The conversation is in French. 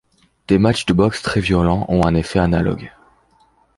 Des matchs de boxe très violents ont un effet analogue.